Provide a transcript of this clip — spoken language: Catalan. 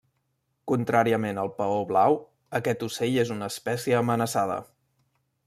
Contràriament al paó blau aquest ocell és una espècie amenaçada.